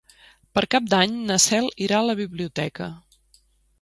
Per Cap d'Any na Cel irà a la biblioteca.